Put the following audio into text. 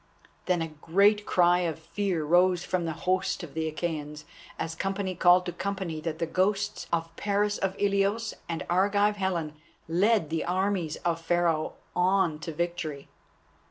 Then a great cry of fear rose from the host of the Achæans, as company called to company that the ghosts of Paris of Ilios and Argive Helen led the armies of Pharaoh on to victory.